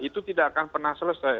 itu tidak akan pernah selesai